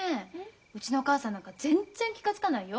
うちのお母さんなんか全然気が付かないよ。